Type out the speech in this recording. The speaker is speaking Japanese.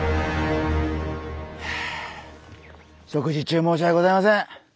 食事中申し訳ございません。